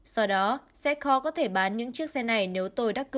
sau đó sẽ khó có thể bán những chiếc xe này nếu tôi đắc cử